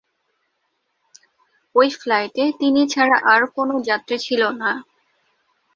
ওই ফ্লাইটে তিনি ছাড়া আর কোনো যাত্রী ছিল না।